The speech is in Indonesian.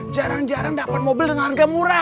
jarang jarang dapat mobil dengan harga murah